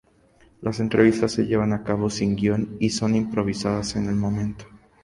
Las entrevistas se llevan a cabo sin guion y son improvisadas en el momento.